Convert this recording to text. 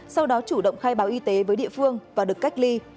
sau đó chủ động khai báo y tế với địa phương và được cách ly